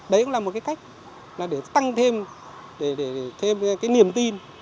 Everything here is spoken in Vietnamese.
đấy cũng là một cách để tăng thêm niềm tin